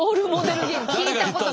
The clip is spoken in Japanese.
聞いたことないのよ。